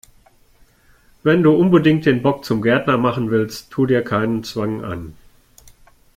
Wenn du unbedingt den Bock zum Gärtner machen willst, tu dir keinen Zwang an!